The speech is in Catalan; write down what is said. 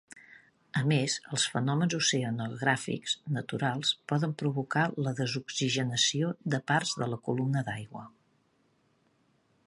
A més, els fenòmens oceanogràfics naturals poden provocar la desoxigenació de parts de la columna d'aigua.